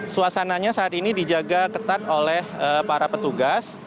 suasananya saat ini dijaga ketat oleh para petugas